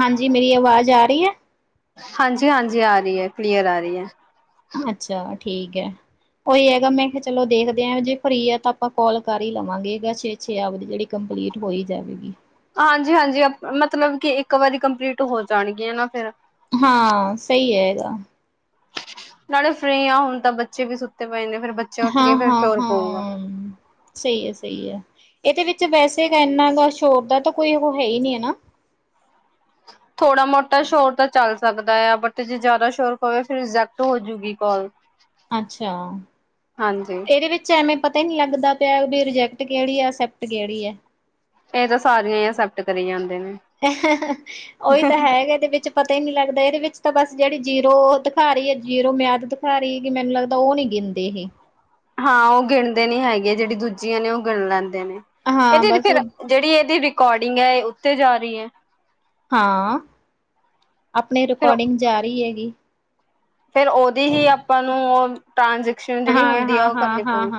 ਹਾਂਜੀ ਮੇਰੀ ਆਵਾਜ਼ ਆ ਰਹੀ ਹੈ ਹਾਂਜੀ-ਹਾਂਜੀ ਆ ਰਈ ਐ ਕਲੀਅਰ ਆ ਰਈ ਐ। ਅੱਛਾ ਠੀਕ ਐ। ਉਹੀ ਹੈਗਾ ਮੈਂ ਕਿਆ ਚਲੋ ਦੇਖਦੇ ਆਂ ਜੇ ਫਰੀ ਐ ਤਾਂ ਆਪਾਂ ਕੋਲ ਕਰ ਹੀ ਲਵਾਂਗੇ ਗੈਛੇ ਛਿਆ ਆਪ ਦੀ ਜੇੜੀ ਕੰਪਲੀਟ ਹੋਈ ਜਾਵੇਗੀ। ਹਾਂਜੀ-ਹਾਂਜੀ ਮਤਲਬ ਕਿ ਇੱਕ ਵਾਰੀ ਕੰਪਲੀਟ ਹੋ ਜਾਣਗੀਆਂ ਫਿਰ ਹਾਂ, ਸਹੀ ਹੈਗਾ। ਨਾਲੇ ਫਰੀ ਆ, ਹੁਣ ਤਾਂ ਬੱਚੇ ਵੀ ਸੁੱਤੇ ਪਏ ਨੇ ਫੇਰ ਬੱਚ ਹਾਂ-ਹਾਂ-ਹਾਂ। ਸਹੀ ਹੈ-ਸਹੀ ਹੈ, ਇਹਦੇ ਵਿੱਚ ਵੈਸੇ ਏਨਾ ਕੁਛ ਸ਼ੋਪ ਦਾ ਤਾਂ ਕੋਈ ਉ ਹੈ ਹੀ ਨਹੀਂ ਹੈਨਾ। ਥੋੜਾ-ਮੋਟਾ ਸ਼ੋਰ ਤਾਂ ਚੱਲ ਸਕਦਾ ਐ, ਬਟ ਜੇ ਜ਼ਿਆਦਾ ਸ਼ੋਰ ਪਵੇ ਫੇਰ ਰਿਜੈਕਟ ਹੋ ਜੂਗੀ ਕੋਲ। ਅੱਛਾ, ਹਾਂਜੀ ਇਹਦੇ ਵਿੱਚ ਐਵੇਂ ਪਤਾ ਹੀ ਨੀ ਲੱਗਦਾ ਪਿਆ ਕੀ ਰਿਜੈਕਟ ਕੇਹੜੀ ਐ ਅਕਸੈਪਟ ਕੇਹੜੀ ਐ। ਇਹ ਤਾਂ ਸਾਰੀਆਂ ਈ ਅਸੈਪਟ ਕਰੀ ਜਾਂਦੇ ਨੇ। ਅਹੈਂਹੋਂ ਉਹੀ ਤਾਂ ਹੈ ਇਹਦੇ ਵਿੱਚ ਪਤਾ ਈ ਨਹੀਂ ਲੱਗਦਾ, ਇਹਦੇ ਵਿੱਚ ਤਾਂ ਬਸ ਜਿਹੜੀ ਜੀਰੋ ਦਿਖਾ ਰਹੀ ਐ ਜੀਰੋ ਮਿਆਦ ਦਿਖਾ ਰਹੀ ਏ। ਕਿ ਮੈਨੂੰ ਲੱਗਦਾ ਉਹ ਨੀ ਗਿਨਦੇ ਹੇ। ਹਾਂ, ਉਹ ਗਿਣਦੇ ਨੀ ਹੈਗੇ ਆ, ਜਿਹੜੀ ਦੂਜੀਆਂ ਨੇ ਉਹ ਗਿਣ ਲੈਂਦੇ ਨੇ। ਏਹ ਹਾਂ ਦੇ ਵਿਚ ਬਸ ਫੇਰ ਉਹ, ਜੇਹੜੀ ਏਹਦੀ ਰਿਕਾਰੋਡਿੰਗ ਐੋ ਅਹ ਉੱਤੇ ਜਾ ਰਹੀ ਏ। ਹਾਂ, ਅਪਨੀ ਫਿਰ ਰਿਕੋਡਿੰਗ ਜਾ ਰੀ ਹੈਗੀ। ਫੇਰ ਔਹ ਦੀ ਹੀ ਆਪਾਂ ਨੂੰ ਔਹ ਟ੍ਰਾਂਜੈਕਸ਼ਨ ਜਿਹੜੀ ਹੁੰਦੀ ਹਾ ਉਹ ਕਰਨੀ ਪਊ।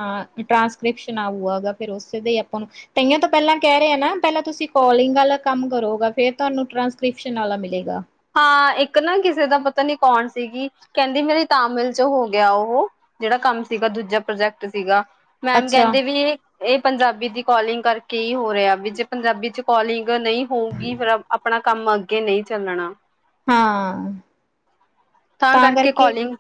ਟਰਾਂਸਪੇਕ੍ਰਿਸ਼ਨ ਆਊਗਾ, ਫੇਰ ਔਸੇ ਤੇ ਆਪਾਂ ਨੂੰ ਤਈਆਂ ਤੋਂ ਪਹਿਲਾਂ ਕਹਿ ਰਹੇ ਆ ਨਾ ਪਹਿਲਾਂ ਤੁਸੀਂ ਕੋਲਿੰਗ ਵਾਲਾ ਕੰਮ ਕਰੋਗਾ, ਫੇਰ ਤੁਹਾਨੂੰ ਟਰਾਂਸਕ੍ਰਿਪਸ਼ਨ ਵਾਲਾ ਮਿਲੇਗਾ। ਹਾਂ, ਇੱਕ ਨਾ ਕਿਸੇ ਦਾ ਪਤਾ ਨੀ ਕੌਨ ਸੀਗੀ ਕਹਿੰਦੀ ਮੇਰੀ ਤਾਮਿਲ ਚ ਹੋ ਗਿਆ ਔਹ। ਜੇਹੜਾ ਕੰਮ ਸੀਗਾ ਦੂਜਾ ਪ੍ਰੋਜੈਕਟ ਸੀਗਾ। ਮੈਮ ਅੱਛਾ ਕਹਿੰਦੀ ਪਈ ਏ ਏਹ ਪੰਜਾਬੀ ਦੀ ਕੋਾਲਿੰਗ ਕਰਕੇ ਹੀ ਹੋ ਰਿਹਾ ਵਿ ਪੰਜਾਬੀ ਚ ਕੋਲਿੰਗ ਨਹੀਂ ਹੋਊਗੀ ਫਿਰ ਆਪਣਾ ਕੰਮ ਅੱਗੇ ਨਹੀਂ ਚਲਨਾ। ਹਾਂ। ਤਾਂ ਕਰਕੇ ਕਾਲਿੰਗ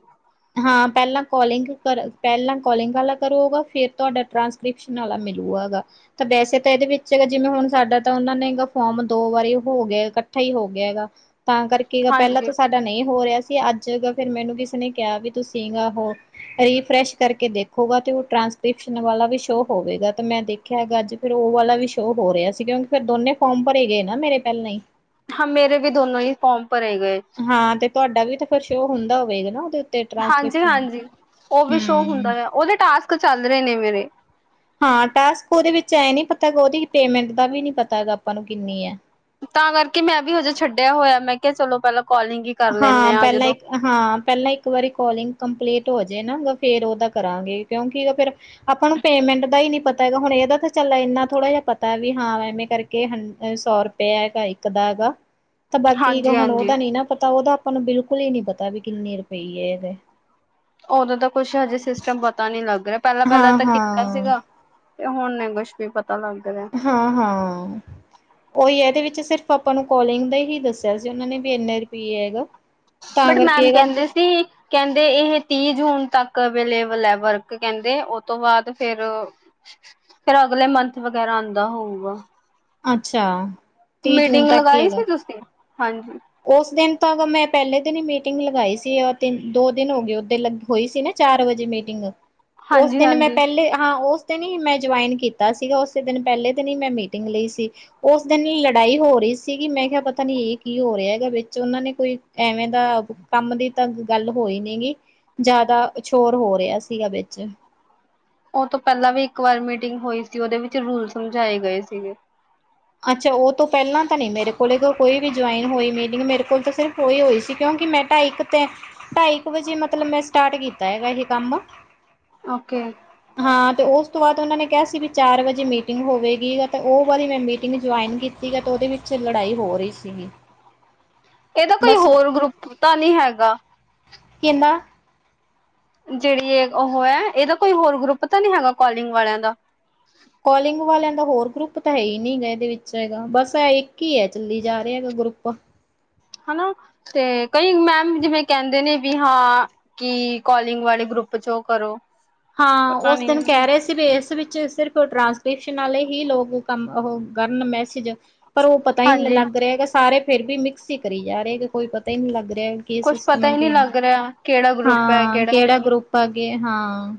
ਹਾਂ, ਪਹਿਲਾਂ ਕੋਲਿੰਗ ਕਰ ਪਹਿਲਾਂ ਕੋਲਿੰਗ ਵਾਲਾ ਕਰੋਗਾ, ਫੇਰ ਤੁਹਾਡਾ ਟ੍ਰਾਂਸ ਕ੍ਰਿਪੈਸ਼ਨ ਵਾਲਾ ਮਿਲੂਆ ਗਾ। ਤਾਂ ਵੈਸੇ ਤਾਂ ਏਹਦੇ ਵਿੱਚ ਜਿਵੇਂ ਹੁਣ ਸਾਡਾ ਤਾਂ ਔਹਨਾਂ ਗਾ ਫੋਮ ਦੋ ਵਾਰੀ ਹੋ ਗਿਆ ਕੱਠਾ ਹੀ ਹੋ ਗਿਆ ਐਗਾ। ਤਾਂ ਕਰਕੇ ਪਹਿਲਾਂ ਹਾਂਜੀ ਤਾਂ ਸਾਡਾ ਨਹੀਂ ਹੋ ਰਿਹਾ ਸੀ। ਅੱਜ ਫੇਰ ਮੈਨੂੰ ਕਿਸੇ ਨੇ ਕਿਆ ਤੁ ਸੀ ਗਾ ਰੀ ਫਰੈਸ਼ ਕਰਕੇ ਦੇਖੋਗਾ ਤੇ ਉਹ ਟ੍ਰਾਂਸਕ੍ਰਿਪਸ਼ਨ ਵਾਲਾ ਵੀ ਸ਼ੋਉ ਹੋਵੇਗਾ ਤੇ ਮੈਂ ਦੇ ਖੈ ਹੈਗਾ ਜੀ ਫੇਰ ਔਹ ਵਾਲਾ ਵੀ ਸ਼ੋਅ ਹੋ ਰਿਹਾ ਸੀ ਕਿਉਕਿ ਦੋਨੇ ਫੋਮ ਭਰੇ ਗਏ ਨਾ ਮੇਰੇ ਪਹਿਲਾਂ ਹੀ। ਹਾਂ, ਮੇਰੇ ਵੀ ਦੋਨੋ ਹੀ ਫੋਮ ਭਰੇ ਗਏ। ਹਾਂ ਤੇ ਤੁਹਾਡਾ ਵੀ ਤਾਂ ਕੁਛ ਸ਼ੋਅ ਹੁੰਦਾ ਹੋਵੇਗਾ ਨਾ ਉਹਦੇ ਤੇ। ਹਾਂਜੀ-ਹਾਂਜੀ, ਉਹ ਵੀ ਸ਼ੋ ਹੂੰ। ਹੁੰਦਾ ਵੇ ਔਦੇ ਟਾਸਕ ਚੱਲ ਰਹੇ ਨੇ ਮੇਰੇ। ਹਾਂ, ਟਾਸਕ ਔਦੇ ਵਿੱਚ ਐਂ ਨੀ ਪਤਾ ਔਦੀ ਪੇਮੈਂਟ ਦਾ ਵੀ ਨੀ ਪਤਾ ਆਪਾਂ ਨੂੰ ਕਿੰਨੀ ਐ। ਤਾਂ ਕਰਕੇ ਮੈਂ ਭੀ ਅਜੇ ਛੱਡਿਆ ਹੋਇਆ ਮੈਂ ਕਿਹਾ ਚਲੋ ਪਹਿਲਾਂ ਕੋਲਿੰਗ ਈ ਹਾਂ, ਪਹਿਲਾ ਇਕ ਹਾਂ, ਪਹਿਲਾਂ ਇੱਕ ਵਾਰੀ ਕੋਲਿੰਗ ਕੰਪਲੀਟ ਹੋ ਜਾਏ ਨਾ ਫੇਰ ਔਦਾ ਕਰਾਂਗੇ ਕਿਉਂਕਿ ਫੈਰ ਆਪਾਂ ਨੂੰ ਪੇਮੈਂਟ ਦਾ ਹੀ ਨਹੀ ਪਤਾ ਹੈਗਾ ਹੁਣ ਏਦਾ ਤਾਂ ਚੱਲ ਏਨਾ ਥੋੜਾ ਜਹਾ ਪਤਾ ਵਾ ਹਾਂ ਐਵੇਂ ਕਰਕੇ ਹਾਂ ਸੌਰੁ ਪੇਆ ਐਗਾ ਇੱਕ ਦਾ ਐਗਾ। [inaudible] ਤਾਂ ਬਾਕੀ ਹਾਂਜੀ ਉਦਾ ਨੀ ਪਤਾ ਔ ਤਾਂ ਆਪਾਂ ਨੂੰ ਬਿਲਕੁਲ ਹੀ ਨਹੀਂ ਪਤਾ ਵੀ ਕਿੰਨੀ ਰੁਪਈ ਏ। ਔਦੋਂ ਤਾਂ ਕੁਛ ਅਜੇ ਸਿਸਟਮ ਪਤਾ ਨਹੀਂ ਲੱਗ ਰਿਹਾ ਪਹਿਲਾਂ-ਪਹਿਲਾਂ ਤਾਂ ਕੀਤਾ ਹਾਂ-ਹਾਂ, ਸੀਗਾ। ਤੇ ਹੁਣ ਨਹੀ ਕੁਛ ਵੀ ਪਤਾ ਲੱਗ ਰਿਐ। ਹਾਂ-ਹਾਂ। ਔਹੀ ਹੈ ਏਹਦੇ ਵਿੱਚ ਸਿਰਫ ਆਪਾਂ ਨੂੰ ਕਲਿੰਗ ਦਾ ਈ ਦੱਸਿਆ ਸੀ ਉਹਨਾਂ ਨੇ ਭੀ ਏਨੇ ਰੁਪਿਏ ਹੈਗਾ। ਤਾਂ ਬਟ ਕਰਕੇ ਮੈਮ ਹੈਗਾ ਕਹਿੰਦੇ ਸੀ ਕਹਿੰਦੇ ਇਹ ਤੀਹ ਜੂਨ ਤੱਕ ਅਵੇਲੇਬਲ ਹੈ ਵਰਕ ਕਹਿੰਦੇ ਉਹ ਤੋਂ ਬਾਦ ਫੇਰ ਫੇਰ ਅਗਲੇ ਮੰਥ ਵਗੈਰਾ ਆਂਦਾ ਹੋਊਗਾ। ਅੱਛਾ ਤੀਹ ਜੂਨ ਮੀਟਿੰਗ ਲਗਾਈ ਸੀ, ਤੁਸੀਂ ਹਾਂਜੀ। ਔਸ ਦਿਨ ਤਾਂ ਮੈਂ ਪਹਿਲੇ ਦਿਨ ਹੀ ਮੀਟਿੰਗ ਲਗਾਈ ਸੀ ਤਿੰਨ, ਦੋ ਦਿਨ ਹੋ ਗੇ ਓ ਦੇ ਹੋਈ ਸੀ ਨਾ। ਚਾਰ ਵਜੇ ਮੀਟਿੰਗ ਔਸ ਹਾਂਜੀ ਦਿਨ ਮੈਂ ਹਾਂਜੀ ਪਹਿਲੇ ਹਾਂ ਔਸ ਦਿਨ ਹੀ ਮੈਂ ਜੁਆਇਨ ਕੀਤਾ ਸੀਗਾ ਉਸੇ ਦਿਨ ਪਹਿਲੇ ਦਿਨ ਹੀ ਮੈਂ ਮੀਟਿੰਗ ਲਈ ਸੀ। ਉਸ ਦਿਨ ਲੜਾਈ ਹੋ ਰਹੀ ਸੀਗੀ ਮੈਂ ਕਿਹਾ ਪਤਾ ਨੀ ਇਹ ਕੀ ਹੋ ਰਿਹਾ ਹੈਗਾ ਵਿੱਚ ਉਹਨਾਂ ਨੇ ਕੋਈ ਐਵੇਂ ਦਾ ਕੰਮ ਦੀ ਤਾਂ ਗੱਲ ਹੋਈ ਨੀ ਗੀ। ਜਾਦਾ ਸ਼ੋਰ ਹੋ ਰਿਹਾ ਸੀਗਾ ਵਿੱਚ। ਉਹ ਤੋਂ ਪਹਿਲਾਂ ਵੀ ਇੱਕ ਵਾਰ ਮੀਟਿੰਗ ਹੋਈ ਸੀ ਉਹਦੇ ਵਿੱਚ ਰੂਲ ਸਮਝਾਏ ਗਏ ਸੀਗੇ। ਅੱਛਾ ਉਹ ਤੋਂ ਪਹਿਲਾਂ ਤਾਂ ਨੀ ਮੇਰੇ ਕੋਲ ਕੋਈ ਵੀ ਜੁਆਇਨ ਹੋਈ ਮੀਟਿੰਗ ਮੇਰੇ ਕੋਲ ਤੇ ਸਿਰਫ ਉਹੀ ਹੋਈ ਸੀ ਕਿਉਂਕਿ ਮੈਂ ਤਾਂ ਇੱਕ ਤੇ ਢਾਈ ਕੁ ਵਜੇ ਮਤਲਬ ਮੈਂ ਸਟਾਰਟ ਕੀਤਾ ਹੈਗਾ ਇਹ ਕੰਮ। ਓਕੇ। ਹਾਂ ਤੇ ਉਸ ਤੋਂ ਬਾਦ ਉਹਨਾਂ ਨੇ ਕਿਹਾ ਸੀ ਵੀ ਚਾਰ ਵਜੇ ਮੀਟਿੰਗ ਹੋਵੇਗੀ ਤੇ ਉਹ ਵਾਰੀ ਮੈਂ ਮੀ ਟਿੰਗ ਜੁਆਇਨ ਕੀਤੀ ਗ ਤੇ ਉਹਦੇ ਵਿੱਚ ਲੜਾਈ ਹੋ ਰਹੀ ਸੀਗੀ। ਏਹਦਾ ਕੋਈ ਬਸ ਹੋਰ ਗਰੁੱਪ ਤਾਂ ਨੀ ਹੈਗਾ। ਕਿੰਨਾ? ਜੇੜੀ ਇਹ ਉਹ ਹੈ ਇਹਦਾ ਕੋਈ ਹੋਰ ਗਰੁੱਪ ਤਾਂ ਨੀ ਹੈਗਾ ਕੋਲਿੰਗ ਵਾਲਿਆਂ ਦਾ। ਕੋਲਿੰਗ ਵਾਲਿਆਂ ਦਾ ਹੋਰ ਗਰੁੱਪ ਤਾਂ ਹੈ ਹੀ ਨੀ ਹੈਗਾ ਇਹਦੇ ਵਿੱਚ ਹੈਗਾ ਬਸ ਐ ਇੱਕ ਹੀ ਹੈ ਚੱਲੀ ਜਾ ਰਿਹਾ ਹੈਗਾ ਗਰੁੱਪ। ਹਨਾ ਤੇ ਕਈ ਮੈਮ ਜਿਵੇਂ ਕਹਿੰਦੇ ਨੇ ਵੀ ਹਾ ਕਿ ਕਾਲਿੰਗ ਵਾਲੇ ਗਰੁੱਪ ਚੋ ਔ ਕਰੋ। ਹਾਂ ਪਤਾ ਉਸ ਨੀ ਦਿਨ ਕਹ ਰੇ ਸੀ। ਏਸ ਵਿੱਚ ਸਿਰਫ ਟ੍ਰਾਂਸਕ੍ਰਿਪਸ਼ਨ ਆਲੇ ਹੀ ਲੋਕ ਕੰਮ ਉਹੋ ਕਰਨ ਮੈਸੇਜ। ਪਰ ਔ ਪਤਾ ਹੀ ਹਾਂਜੀ ਲੱਗ ਰਿਆ ਗਾ ਸਾਰੇ ਫੇਰ ਵੀ ਮਿਕਸ ਹੀ ਕਰੀ ਜਾ ਰੇ ਕੋਈ ਪਤਾ ਹੀ ਨੀ ਲੱਗ ਰਿਹਾ। ਕੀ ਕੁਛ ਸਿਸਟਮ ਪਤਾ ਹੈ ਹੀ ਨਹੀਂ ਕੀ ਨੀ, ਲੱਗ ਰਿਹਾ ਕਿਹੜਾ ਗਰੁੱਪ ਹੈ ਹਾਂ ਕਿਹੜਾ ਨਹੀਂ ਗਰੁੱਪ ਅਗੇ ਹਾਂ।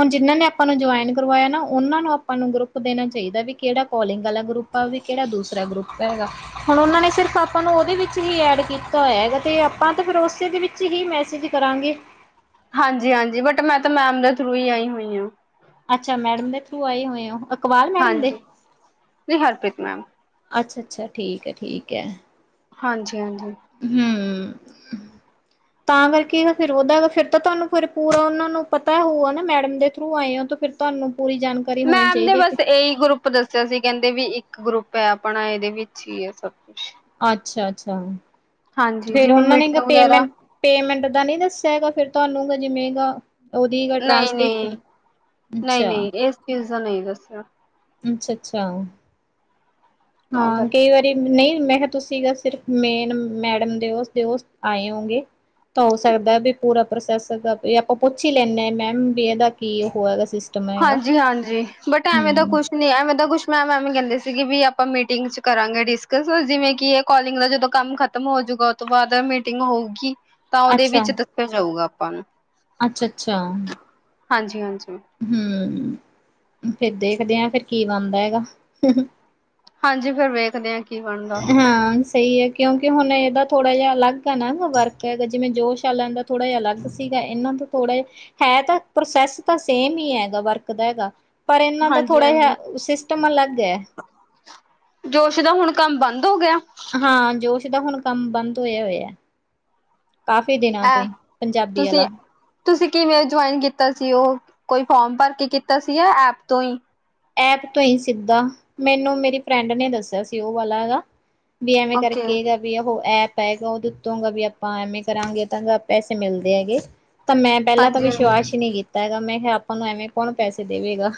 ਹੁਨ ਜਿਨਾਂ ਨੇ ਆਪਾਂ ਨੂੰ ਜੁਆਇਨ ਕਰਵਾਇਆ ਨਾ ਉਹਨਾਂ ਨੂੰ ਆਪਾਂ ਨੂੰ ਗਰੁਪ ਦੇਨਾ ਚਾਹੀਦਾ ਵੀ ਕਿਹੜਾ ਕੋਲਿੰਗ ਆਲਾ ਗਰੁੱਪ ਆ ਵੀ ਕੇੜਾ ਦੂਸਰਾ ਗਰੁੱਪ ਹੈਗਾ। ਹੁਣ ਉਹਨਾਂ ਨੇ ਸਿਰਫ ਆਪਾਂ ਨੂੰ ਉਹਦੇ ਵਿੱਚ ਹੀ ਐਡ ਕੀਤਾ ਹੋਇਆ ਹੈਗਾ ਤੇ ਆਪਾਂ ਤਾਂ ਫੇਰ ਉਸੇ ਦੇ ਵਿੱਚ ਹੀ ਮੈਸੇਜ ਕਰਾਂਗੇ। ਹਾਂਜੀ-ਹਾਂਜੀ ਬਟ ਮੈਂ ਤਾ ਮੈਮ ਦੇ ਥਰੂ ਹੀ ਆਈ ਹੋਈ ਹਾਂ। ਅੱਛਾ ਮੈਡਮ ਦੇ ਥਰੂ ਆਏ ਹੋਏ ਹੋ ਅਕਬਾਲ ਮੈਡਮ ਦੇ? ਹਾਂਜੀ ਜੀ ਹਰਪ੍ਰੀਤ ਮੈਮ ਅੱਛਾ-ਅੱਛਾ ਠੀਕ ਹੈ, ਠੀਕ ਹੈ। ਹਾਂਜੀ-ਹਾਂਜੀ। ਹੂੰ ਅੱਛਾ ਜੀ। ਤਾਂ ਕਰਕੇ ਫਿਰ ਉਹਦਾ ਫਿਰ ਤਾਂ ਤੁਹਾਨੂੰ ਫਿਰ ਪੂਰਾ ਉਹਨਾਂ ਨੂੰ ਪਤਾ ਹੋਊਗਾ ਨਾ ਮੈਡਮ ਦੇ ਥਰੂ ਆਏ ਓ ਤੇ ਫਿਰ ਤੁਹਾਨੂੰ ਪੂਰੀ ਜਾਣ ਮੈਮ ਦੇ ਬਸ ਇਹੀ ਗਰੁੱਪ ਗੁੱਪ ਦੱਸਿਆ ਸੀ ਕਹਿੰਦੇ ਕੀ ਇੱਕ ਗਰੁੱਪ ਹੈ ਆਪਣਾ ਇਹਦੇ ਵਿੱਚ ਹੀ ਹੈ ਸਭ ਕੁਛ। ਅੱਛਾ-ਅੱਛਾ ਹਾਂਜੀ ਫੇਰ ਜਿਵੇਂ ਉਹਨਾਂ ਨੇ ਗਾ ਮੀਟਿੰਗ ਵਗੈਰਾ ਪੇਮੈਂਟ ਪੇਮੈਂਟ ਦਾ ਨੀ ਦੱਸਿਆ ਹੈਗਾ ਫਿਰ ਤੁਹਾਨੂੰ ਜਿਵੇਂ ਗਾ ਉਹਦੀ ਗਾ ਨਹੀਂ ਟ੍ਰਾਂਸਕ੍ਰਿਪਸ਼ਨ ਅੱਛਾ। ਕਿਸ ਦਾ ਨੀ ਦੱਸਿਆ। ਅੱਛਾ ਅੱਛਾ। ਤਾਂ ਹਾਂ ਕਰ ਕਈ ਵਾਰੀ। ਨਹੀਂ ਮੈਂ ਕਿਹਾ ਤੁਸੀਂ ਸਿਰਫ ਮੇਨ ਮੈਡਮ ਦੇ ਉਸਦੇ ਓ ਆਏ ਹੋਗੇ। ਤਾਂ ਹੋ ਸਕਦਾ ਵੀ ਪੂਰਾ ਪ੍ਰੋਸੈਸ ਦਾ ਵੀ ਆਪਾਂ ਪੁੱਛ ਹੀ ਲੈਂਨੇ ਆਂ ਮੈਮ ਵੀ ਇਹਦਾ ਕੀ ਹੋਏਦਾ। ਹਾਂਜੀ ਹਾਂਜੀ ਬਟ ਐਵੇਂ ਦਾ ਕੁਛ ਨੀ ਐਵੇਂ ਦਾ ਕੁਛ। ਮੈਮ ਐਵੇ ਕੈਂਦੇ ਸੀਗੇ ਬੀ ਆਪਾਂ ਮੀਟਿੰਗ ਚ ਕਰਾਂਗੇ ਡਿਸਕਸ ਜਿਵੇਂ ਕਿ ਏ ਕੋਲਿੰਗ ਦਾ ਜਦੋ ਕੰਮ ਖਤਮ ਹੋਜੂਗਾ ਤੋਂ ਬਾਦ ਮੀਟਿੰਗ ਹੋਊਗੀ, ਤਾਂ ਓਦੇ ਵਿੱਚ ਦੱਸੇਆ ਜਾਊਗਾ ਆਪਾਂ ਨੂੰ। ਅੱਛਾ-ਅੱਛਾ ਹਾਂਜੀ-ਹਾਂਜੀ। ਹੂੰ, ਫੇਰ ਦੇਖਦੇ ਆ ਫੇਰ ਕੀ ਬਾਣਦਾ ਐਗਾ। ਹਾਂਜੀ ਫੇਰ ਵੇਖਦੇ ਆਂ ਹਾਂ ਸ ਸਈ ਐ ਕੇਓਂਂਕਿ ਹੁਣ ਏਦਾ ਥੋੜਾ ਜੇਆ ਅਲੱਗ ਐ ਨਾ ਵਰਕ ਐਦੇ ਜਿਵੇਂ ਜੋਸ਼ [unintelligible] ਥੋੜ੍ਹਾ ਯਾ ਅਲੱਗ ਸੀਗਾ ਏਨਾਂ ਤੋਂ ਥੋੜੇ ਹੈ ਤਾਂ ਪ੍ਰੋਸੈਸ ਤਾ ਸੇਮ ਈ ਐਗਾ ਵਰਕ ਦਾ ਐਗਾ ਪਰ ਏਨਾਂ ਦਾ ਥੋੜਾ ਯਾ, ਹਾਂਜੀ-ਹਾਂਜੀ ਸਿਸਟਮ ਅਲੱਗ ਐ। ਜੋਸ਼ ਦਾ ਹੁਣ ਕੰਮ ਬੰਦ ਹੋ ਗੇਆ? ਹਾਂ ਜੋਸ਼ ਦਾ ਹੁਣ ਕੰਮ ਬੰਦ ਹੋਏਆ ਹੋਏਐ। ਕਾਫੀ ਦਿਨਾਂ ਤੋ ਐ ਈਂ, ਪੰਜਾਬੀ ਤੁਸੀਂ ਆਲਾ ਤੁਸੀਂ ਕਿਵੇਂ ਜੋਇਨ ਕੀਤਾ ਸੀ ਓਹ? ਕੋਈ ਫੋਮ ਭਰ ਕੇ ਕੀਤਾ ਸੀ ਯਾਂ ਐਪ ਤੋ ਈ? ਐਪ ਤੋ ਈਂ ਸਿੱਧਾ, ਮੈਨੂੰ ਮੇਰੀ ਫਰੈਂਡ ਨੇ ਦੱਸੇਆ ਸੀ ਓ ਵਾਲਾ ਐਗਾ ਵੀ ਐਵੇਂ ਓਕੇ ਕਰਕੇ ਜਾ ਵੀ ਓਹ ਐਪ ਐਗਾ ਉਦੇ ਉੱਤੋਂ ਗਾ ਵੀ ਆਪਾਂ ਐਵੇਂ ਕਰਾਂਗੇ ਤਾਂ ਗਾ ਪੈਸੇ ਮਿਲਦੇ ਐਗੇ। ਤਾਂ ਮੈਂ ਪੈਲਾਂ ਤਾਂ ਹਾਂਜੀ-ਹਾਂਜੀ ਵਿਸ਼ਵਾਸ਼ ਈ ਨੀ ਕੀਤਾ ਐਗਾ ਮੈਂ ਹ ਆਪਾਂ ਨੂੰ ਐਵੇਂ ਕੌਣ ਪੈਸੇ ਦੇਵੇਗਾ।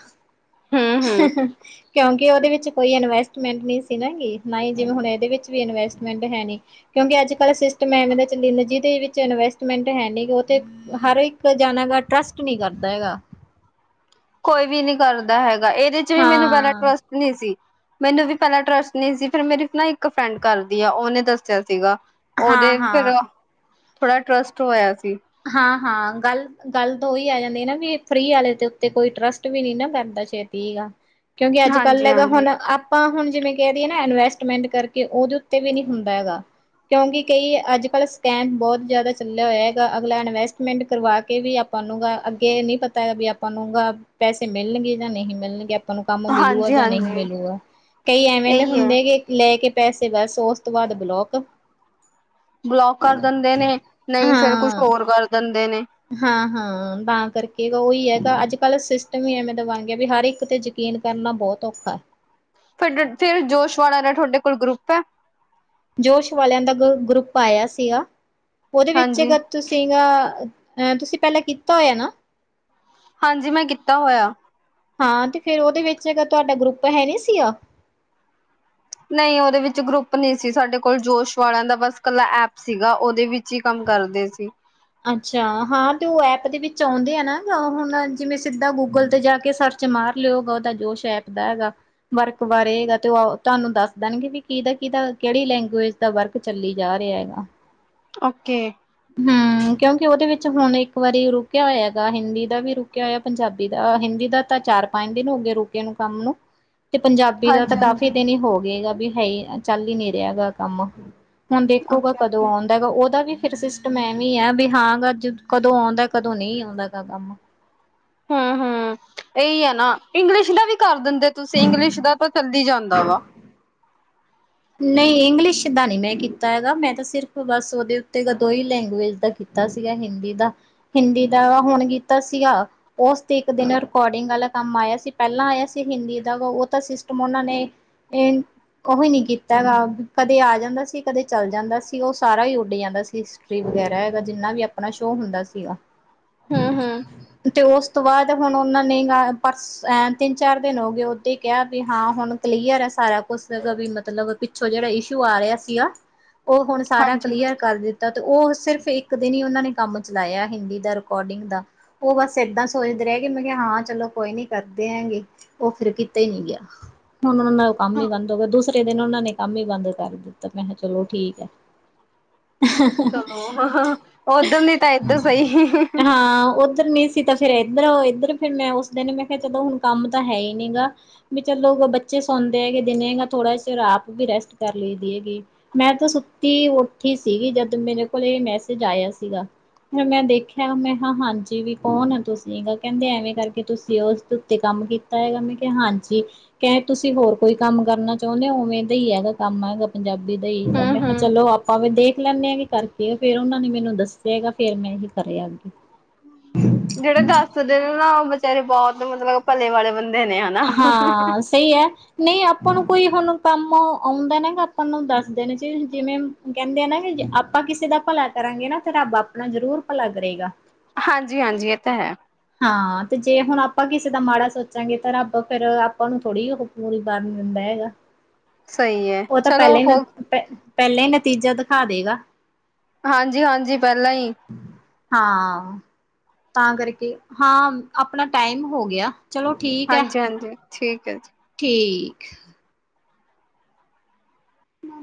ਹੂੰ-ਹੂੰ ਹ ਹ ਕਿਉਂਕਿ ੳਦੇ ਵਿਚ ਕੋਈ ਇਨਵੈਸਟਮੈਂਟ ਨਈ ਸੀ ਨਾ ਹੈਗੀ, ਨਾ ਈ ਜਿਵੇਂ ਹੁਣ ਏਦੇ ਵਿਚ ਵੀ ਇਨਵੈਸਟਮੈਂਟ ਹੈ ਨੀ। ਕੇਉਂਕਿ ਅੱਜ ਕੱਲ੍ਹ ਸਿਸਟਮ ਐਵੇਂ ਦਾ ਚੱਲੀ ਜਂਦਾ ਜਿਦੇ ਵਿੱਚ ਇਨਵੈਸਟਮੈਂਟ ਹੈ ਨੀ ਗਾ ੳ ਤੇ ਹਰ ਇੱਕ ਜਾਨਾ ਗਾ ਟਰਸਟ ਨੀ ਕਾਰਦਾ ਐਗਾ। ਕੋਈ ਵੀ ਨੀ ਕਾਰਦਾ ਹੈਗਾ ਏਦੇ ਚ ਵੀ ਮੇਨੂੰ ਪੈਲਾਂ ਹਾਂ, ਟਰਸਟ ਨੀ ਸੀ ਮੈਨੂੰ ਵੀ ਪੈਲਾਂ ਟਰੱਸਟ ਨੀ ਸੀ ਫੇਰ ਮੇਰੀ ਨਾ ਇੱਕ ਫਰੈਂਡ ਕਾਰਦੀ ਆ ਓਨੇ ਦੱਸੇਆ ਸੀਗਾ ਹਾਂ, ਓਦੇ ਹਾਂ ਫਿਰ, ਥੋੜਾ ਟਰਸਟ ਹੋਏਆ ਸੀ। ਹਾਂ-ਹਾਂ ਗੱਲ, ਗੱਲ ਤਾਂ ਓਈ ਆ ਜਾਂਦੀ ਨਾ ਵੀ ਫ੍ਰੀ ਆਲੇ ਦੇ ਉੱਤੇ ਕੋਈ ਟਰਸਟ ਵੀ ਨੀ ਨਾ ਕਾਰਦਾ ਸ਼ੇ ਤੀ ਗਾ, ਕੇਓਂਕਿ ਅੱਜ ਕੱਲ ਹਾਂਜੀ ਐਗਾ ਹਾਂਜੀ ਹੁਣ ਆ ਪਾਂ ਹੁਨ ਜਿਵੇਂ ਕੈਦੀਏ ਨਾ ਐਨਵੈਸਟਮੈਂਟ ਕਰਕੇ ਓਦੇ ਉੱਤੇ ਵੀ ਨੀ ਹੁੰਦਾ ਹੈਗਾ ਕੇਓਂਕਿ ਕਈ ਅੱਜ ਕੱਲ ਸਕੈਮ ਬੋਤ ਜਾਦਾ ਚੱਲੇ ਹੋਏਐ ਗਾ ਅਗਲਾ ਐਨਵੈਸਟਮੈਂਟ ਕਰਵਾ ਕੇ ਵੀ ਆਪਾਂ ਨੂੰ ਗਾ ਅੱਗੇ ਨੀ ਪਤਾ ਬੀ ਆਪਾਂ ਨੂੰ ਗਾ ਪੈਸੇ ਮਿਲਨਗੇ ਜਾਂ ਨਹੀਂ ਮਿਲਨਗੇ ਆ ਅਪਾਂ ਨੂੰ ਕੰਮ ਮਿਲੂਆ ਹਾਂਜੀ ਜਾਂ ਨਹੀਂ ਹਾਂਜੀ ਮਿਲੂਗਾ, ਕਈ ਐਵੇਂ ਦੇ ਇਹੀ ਹੈ ਹੁੰਦੇ ਗੇ ਲੈ ਕੇ ਪੈਸੇ ਬਸ ਓਸ ਤੋਂ ਬਾਦ ਬਲੋਕ ਬਲੋਕ ਕਰ ਦੰਦੇ ਨੇ, ਨਈ ਫੇਰ ਕੁਛ ਹਾਂ ਹੋਰ ਕਰ ਦੰਦੇ ਨੇ। ਹਾਂ-ਹਾਂ, ਤਾਂ ਕਰਕੇ ਗਾ ਓਈ ਐਗਾ ਅੱਜ ਕੱਲ ਸਿਸਟਮ ਈ ਐਵੇਂ ਦਾ ਬਣ ਗੇਆ ਵੀ ਹਰ ਇੱਕ ਤੇ ਜ ਕੀਨ ਕਰਨਾ ਬੋਤ ਔਖਾ। ਫਿਰ ਡਿੱਠੇ ਜੋਸ਼ਵਾਣਾ ਦਾ ਥੋਢੇ ਕੋਲ ਗਰੁੱਪ ਐ? ਜੋਸ਼ ਵਾਲੇਆਂ ਦਾ ਗ, ਗਰੁੱਪ ਆਏਆ ਸੀਆ, ਓਦੇ ਵਿੱਚ ਹਾਂਜੀ ਅਗਰ ਤੁਸੀਂ ਨਾ ਐ ਤੁਸੀਂ ਪੈਲਾਂ ਕੀਤਾ ਹੋਏਐ ਨਾ? ਹਾਂਜੀ ਮੈਂ ਕੀਤਾ ਹੋਏ ਆ। ਹਾਂ ਤੇ ਫੇਰ ਓਦੇ ਵਿੱਚ ਗਾ ਤੁਆਡਾ ਗਰੁੱਪ ਹੈ ਨੀ ਸੀ ਆ? ਨਈ ਓਦੇ ਵਿੱਚ ਗਰੁੱਪ ਨੀ ਸੀ ਸਾਡੇ ਕੋਲ ਜੋਸ਼ ਵਾਲੇਆਂ ਦਾ ਬਸ ਕੱਲਾ ਐਪ ਸੀਗਾ ਓਦੇ ਵਿੱ ਚ ਈ ਕੰਮ ਕਰਦੇ ਸੀ। ਅੱਛਾ, ਹਾਂ ਤੇ ਓ ਐਪ ਦੇ ਵਿੱਚ ਔਂਦੇ ਆ ਨਾ ਗ ਹੁਣ ਜਿਵੇਂ ਸਿੱਧਾ ਗੂਗਲ ਤੇ ਜਾ ਕੇ ਸਰ -ਚ ਮਾਰ ਲੇਓ ਗ, ਓਦਾ ਜੋਸ਼ ਐਪ ਬੈਗ ਆ। ਵਰਕ ਬਾਰੇ ਗਾ ਤੇ ਓ ਤਾਨੂੰ ਦੱਸ ਦਣਗੇ ਵੀ ਕਿਦਾ- ਕਿਦਾ ਕੇੜੀ ਲੈਂਗੁਏਜ ਦਾ ਵਰਕ ਚੱਲੀ ਜਾ ਰੇ ਐਗਾ। ਓਕੇ ਹੂੰ ਕਿਉਂਕਿ ਓਦੇ ਵਿੱਚ ਹੁਣ ਇਕ ਵਾਰੀ ਰੁਕਿਆ ਹੋਇਆ ਗਾ ਹਿੰਦੀ ਦਾ ਵੀ ਰੁਕਿਆ ਹੋਇਆ ਪੰਜਾਬੀ ਦਾ ਹਿੰਦੀ ਦਾ ਤਾਂ ਚਾਰ- ਪੰਜ ਦਿਨ ਹੋ ਗਏ ਰੁਕੇ ਨੂੰ ਕੰਮ ਨੂੰ ਤੇ ਪੰਜਾਬੀ ਦਾ ਤਾਂ ਹਾਂਜੀ ਕਾਫ਼ੀ ਹਾਂਜੀ ਦਿਨ ਹੀ ਹੋ ਗਏ ਬੀ ਹੈ ਚੱਲ ਈ ਨਈ ਰਿਹਾ ਕੰਮ। ਹੁਣ ਦੇਖੋ ਗਾ ਓਕੇ ਕਦੋਂ ਓਕੇ ਆਉਂਦਾ ਹੈਗਾ ਉਹਦਾ ਵੀ ਫਿਰ ਸਿਸ ਮ, ਏਵੀ ਆ ਵੀ ਹਾਂ ਗ ਕਦੋਂ ਆਉਂਦਾ ਕਦੋਂ ਨਹੀਂ ਆਦਾ ਗਾ ਕੰਮ। ਹੂੰ ਹੂੰ ਇਹੀ ਐ ਨਾ ਇੰਗਲਿਸ਼ ਦਾ ਵੀ ਕਰ ਦਿੰਦੇ ਤੇ ਤੁਸੀਂ ਇੰਗਲਿਸ਼ ਦਾ ਤਾਂ ਚੱਲਦੀ ਜਾਂਦਾ ਵਾ। ਨੀ ਇੰਗਲਿਸ਼ ਦਾ ਨੀ ਮੈਂ ਕੀਤਾ ਹੈਗਾ। ਮੈਂ ਤਾਂ ਸਿਰਫ ਬਸ ਉਹਦੇ ਉੱਤੇ ਦੋ ਹੀ ਲੈਂਗੁਏਜ ਦਾ ਕੀਤ ਕੀਤਾ ਸੀਗਾ ਹਿੰਦੀ ਦਾ ਹਿੰਦੀ ਦਾ ਹੁਣ ਕੀਤਾ ਸੀਗਾ। ਉਸ ਤੇ ਇੱਕ ਦਿਨ ਰਿਕੋਡਿੰਗ ਵਾਲਾ ਕੰਮ ਆਇਆ ਸੀ ਪਹਿਲਾਂ ਆਇਆ ਸੀ ਹਿੰਦੀ ਦਾ ਉਹ ਤਾਂ ਸਿਸਟਮ ਉਹਨਾਂ ਨੇ [unintelligible] ਓਵੀ ਨਈ ਕਿੱਤ- [unintelligible] ਕਦੇ ਆ ਜਾਂਦਾ ਸੀ, ਕਦੇ ਚੱਲ ਜਾਂਦਾ ਸੀ ਉਹ ਸਾਰਾ ਹੀ ਉੱਡ ਜਾਂਦਾ ਸੀ। ਫੀਗਰ ਐ ਜਿੰਨਾ ਵੀ ਆਪਣਾ ਸ਼ੋਅ ਹੁੰਦਾ ਸੀਗਾ। ਹੂੰ ਹੂੰ ਤੇ ਉਸ ਤੋਂ ਬਾਅਦ ਹੁਣ ਉਹਨਾਂ ਨੀ ਗਾ ਪਰਸ ਇਹ ਤਿੰਨ -ਚਾਰ ਦਿਨ ਹੋ ਗਏ ਓਦੇ ਹੀ ਕਿਹਾ ਵੀ ਹਾਂ ਹੁਣ ਕਲੀਅਰ ਐ ਸਾਰਾ ਕੁੱਛ ਕੋਈ ਮਤਲੱਬ ਪਿੱਛੋਂ ਜਿਹੜਾ ਇਸ਼ੂ ਆ ਰਿਹਾ ਸੀਗਾ। ਉਹ ਹੁਣ ਸਾਰਾ ਹਾਂਜੀ ਕਲੀਅਰ ਕਰ ਦਿੱਤ ਤਾ, ਉਹ ਸਿਰਫ ਇੱਕ ਦਿਨ ਹੀ ਉਹਨਾਂ ਨੇ ਕੰਮ ਚਲਾਇਆ ਹਿੰਦੀ ਦਾ ਰਿਕੋਡਿੰਗ ਦਾ। ਉਹ ਬਸ ਏਦਾਂ ਸੋਚਦੇ ਰਹਿ ਕੇ ਮੈਂ ਕਿਹਾ ਹਾਂ ਚਲੋ ਕੋਈ ਨੀ ਕਰਦੇ ਹੈਗੇ। ਉਹ ਫਿਰ ਕਿਤੇ ਹੀ ਨੀ ਗਿਆ, ਹੁਣ ਉਹਨਾਂ ਨਾਲ ਉਹ ਕੰਮ ਹਾਂ ਹੀ ਬੰਦ ਹੋ ਗਿਆ ਦੂਸਰੇ ਦਿਨ ਉਹਨਾਂ ਨੇ ਕੰਮ ਹੀ ਬੰਦ ਕਰ ਦਿੱਤਾ ਮੈਂ ਕਿਹਾ ਚਲੋ ਠੀਕ ਐ। ਚਲੋ ਉਧਰ ਨੀ ਤਾਂ ਇੱਧਰ ਸਹੀ ਹਾਂ ਉੱਧਰ ਨੀ ਸ ਤਾਂ ਫਿਰ ਇੱਧਰ- ਇੱਧਰ ਫਿਰ ਮੈਂ ਉਸ ਦਿਨ ਮੈਂ ਕਿਹਾ ਚਦੋ ਹੁਣ ਕੰਮ ਤਾਂ ਹੈ ਹੀ ਨਹੀਂ ਗਾ। ਵੀ ਚਲੋ ਬੱਚੇ ਸੌਦੇ ਹੈਗੇ ਨ ਦਿਨੇ ਹੈਗਾ ਥੋੜ੍ਹਾ ਚਿਰ ਰਾਤ ਨੂੰ ਆਪ ਵੀ ਰੈਸਟ ਕਰ ਲਈ ਦੀ ਹੈਗੀ। ਮੈਂ ਤਾਂ ਸੁੱਤੀ ਉੱਠੀ ਸੀਗੀ ਜਦ ਮੇਰੇ ਕੋਲ ਇਹ ਮੈਸੇਜ ਆਇਆ ਸੀਗਾ। ਫਿਰ ਮੈਂ ਦੇਖਿਆ ਮੈਂ ਹਾ ਹਾ ਹਾਂਜੀ ਵੀ ਕੌਣ ਤੁਸੀਂ ਕਹਿੰਦੇ ਐਵੇਂ ਕਰਕੇ ਤੁਸੀਂ ਉਸਦੇ ਉੱਤੇ ਕੰਮ ਕੀਤ ਕੀਤਾ ਹੈਗਾ ਮੈਂ ਕਿ ਹਾਂਜੀ ਕ ਤੁਸੀਂ ਹੋਰ ਕੋਈ ਕੰਮ ਕਰਨਾ ਚਾਹੁੰਦੇ ਹੋ ਔਨਲਾਈਨ? ਦਾ ਹੀ ਹੈਗਾ ਕੰਮ, ਪੰਜਾਬੀ ਦਾ ਈ ਕੰਮ ਐ ਮੈਂ ਹਮ ਕਿਹਾ ਹਮ ਚਲੋ ਆਪ ਭਾਵੇਂ ਦੇਖ ਲੈਂਦੇ ਆ ਕਿ ਕਰਕੇ ਫਿਰ ਉਹਨਾਂ ਨੇ ਮੈਨੂੰ ਦੱਸਿਆ ਹੈਗਾ ਫਿਰ ਮੈਂ ਇਹੀ ਕਰਿ ਲਿਆ ਅੱਗੇ। ਜਿਹੜੇ ਦੱਸਦੇ ਨੇ ਨਾ ਉਹ ਬੇਚਾਰੇ ਬਹੁਤ ਮਤਲੱਬ ਭਲੇ ਵਾਲੇ ਬੰਦੇ ਨੇ ਹਨਾ ਹਾਂ, ਸਹੀ ਐ। ਨਈ ਆਪਾਂ ਨੂੰ ਕੋਈ ਹੁਣ ਕੰਮ ਆਉਂਦਾ ਨਾ ਆਪਾਂ ਨੂੰ ਦੱਸ ਦੇਨੇ ਚਾਈਦੇ ਜਿਵੇਂ ਕਹਿੰਦੇ ਆ ਨਾ ਕਿ ਆਪਾਂ ਕਿਸੇ ਦਾ ਭਲਾ ਕਰਾਂਗੇ ਨਾ ਤੇ ਰੱਬ ਆਪਣਾ ਜ਼ਰੂਰ ਭਲਾ ਕਰੇਗਾ। ਹਾਂਜੀ ਹਾਂਜੀ ਇਹ ਤਾਂ ਹੈ। ਹਾਂ ਤੇ ਜੇ ਹੁਣ ਆਪਾਂ ਕਿਸੇ ਦਾ ਮਾੜਾ ਸੋਚਾਂਗੇ ਤਾਂ ਰੱਬ ਫਿਰ ਆਪਾਂ ਨੂੰ ਥੋੜ੍ਹੀ ਉਹ ਪੂਰੀ ਕਰਨ ਦਿੰਦਾ ਹੈਗਾ, ਸਹੀ ਹੈ ਉਹ ਤਾਂ ਚਲੋ ਪਹਿਲਾਂ ਈ ਮੈਂ ਹੋ ਪੈ ਪੈਲੇ ਨਤੀਜਾ ਦਖਾ ਦੇਗਾ। ਹਾਂਜੀ ਹਾਂਜੀ। ਪੈਲਾਂ ਈ। ਹਾਂ। ਤਾਂ ਕਰਕੇ ਹਾਂ, ਆਪਣਾ ਟਾਈਮ ਹੋ ਗਆ। ਹਾਂਜੀ ਹਾਂਜੀ। ਠੀਕ ਐ ਜੀ। ਠੀਕ।